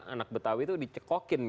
anak betawi itu dicekok itu yang